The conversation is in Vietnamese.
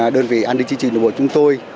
đơn vị an ninh chính trị nội bộ chúng tôi